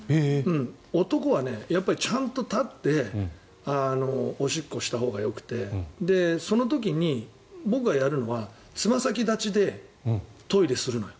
男はやっぱりちゃんと立っておしっこしたほうがよくてその時に僕がやるのはつま先立ちでトイレするのよ。